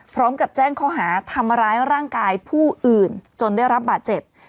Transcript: พร้อมกับแจ้งข้อหาทำร้ายร่างกายผู้อื่นจนได้รับบาดเจ็บ